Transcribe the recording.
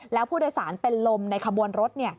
แล้วผู้โดยสารเป็นลมในขบวนรถ